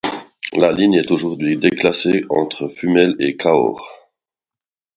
La ligne est aujourd'hui déclassée entre Fumel et Cahors.